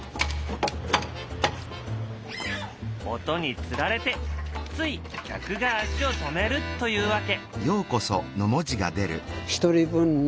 音につられてつい客が足を止めるというわけ。